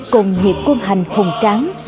cùng nhiệt quân hành hùng trắng